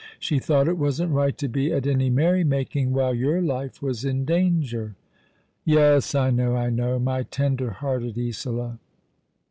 She thought it wasn't right to bo at any merry making while your life was in danger." " Yes, I know — I know. My tender hearted Isola